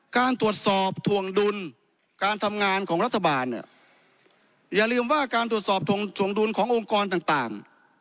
การตรวจสอบถวงดุลการทำงานของรัฐบาลเนี่ยอย่าลืมว่าการตรวจสอบถวงดุลขององค์กรต่าง